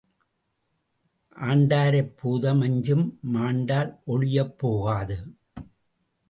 ஆண்டாரைப் பூதம் அஞ்சும் மாண்டால் ஒழியப் போகாது.